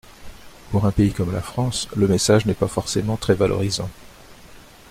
Pour un pays comme la France, le message n’est pas forcément très valorisant.